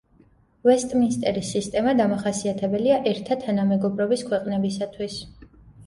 ვესტმინსტერის სისტემა დამახასიათებელია ერთა თანამეგობრობის ქვეყნებისათვის.